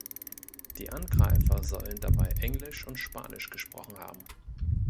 Die Angreifer sollen dabei Englisch und Spanisch gesprochen haben.